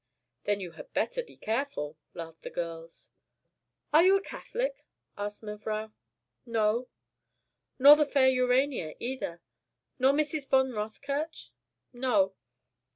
"Then you had better be careful," laughed the girls. "Are you a Catholic?" asked mevrouw. "No." "Nor the fair Urania either? Nor Mrs. von Rothkirch?" "No."